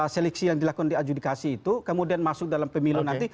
seleksi yang dilakukan di adjudikasi itu kemudian masuk dalam pemilu nanti